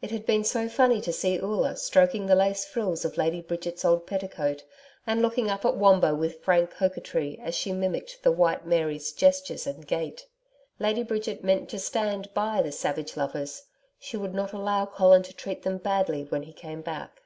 It had been so funny to see Oola stroking the lace frills of Lady Bridget's old petticoat and looking up at Wombo with frank coquetry as she mimicked the 'White Mary's' gestures and gait. Lady Bridget meant to stand by the savage lovers. She would not allow Colin to treat them badly when he came back.